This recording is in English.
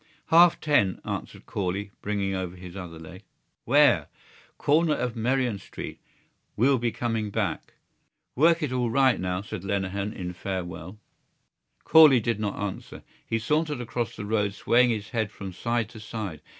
"Half ten," answered Corley, bringing over his other leg. "Where?" "Corner of Merrion Street. We'll be coming back." "Work it all right now," said Lenehan in farewell. Corley did not answer. He sauntered across the road swaying his head from side to side.